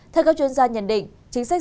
theo các chuyên gia nhận định chính sách